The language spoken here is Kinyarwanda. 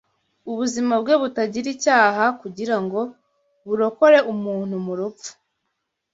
ubuzima bwe butagira icyaha kugira ngo burokore umuntu mu rupfu.